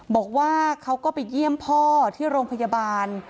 บอกว่าเขาก็ไปเยี่ยมพ่อที่โรงพยาบาล